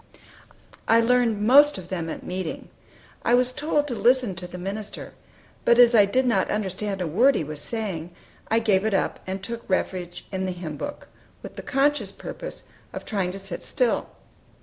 I learned most of them at meeting. I was told to listen to the minister; but as I did not understand a word he was saying, I gave it up, and took refuge in the hymn book, with the conscientious purpose of trying to sit still.